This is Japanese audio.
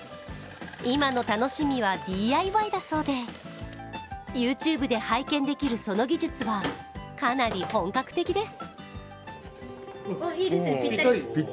今の楽しみはＤＩＹだそうで、ＹｏｕＴｕｂｅで拝見できるその技術はかなり本格的です。